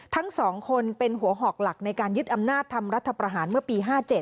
ทั้ง๒คนเป็นหัวหอกหลักในการยึดอำนาจทำรัฐประหารเมื่อปี๕๗